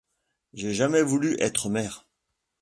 J’ai jamais voulu être mère.